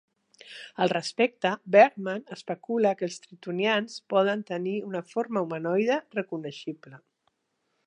Al respecte, Bergman especula que els tritonians poden tenir una forma humanoide reconeixible.